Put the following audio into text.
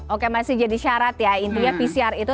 oke masih jadi syarat ya intinya pcr itu